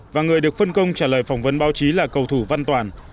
và người được phân công trả lời phỏng vấn báo chí là cầu thủ văn toàn